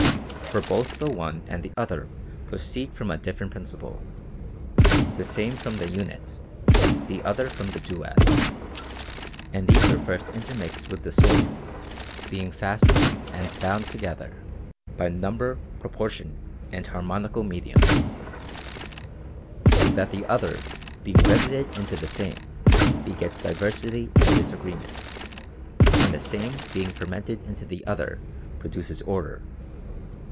For both the one and the other proceed from a different principle ; the Same from the unit, the Other from the duad ; and these were first intermixed with the soul, being fastened and. bound together by number, proportion, and harmonical mediums ; so that the Other being riveted into the Same begets diversity and disagreement ;. and the Same being fermented into the Other produces order.